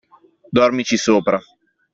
Dormirci sopra.